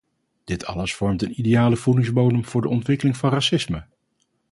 Dit alles vormt een ideale voedingsbodem voor de ontwikkeling van racisme.